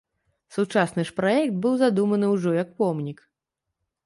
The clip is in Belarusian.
Сучасны ж праект быў задуманы ўжо як помнік.